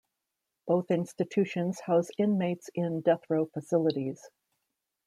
Both institutions house inmates in Death Row facilities.